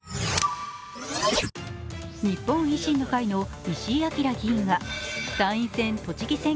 日本維新の会の石井章議員が参院選